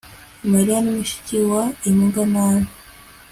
mariya ni mushiki wa imbwa nabi